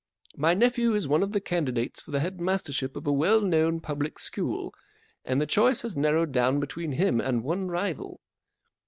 My nephew is one of the candidates for the headmastership of a well known public school, and the choice has narrowed down between him and one rival.